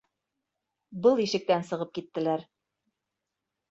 Был ишектән сығып киттеләр.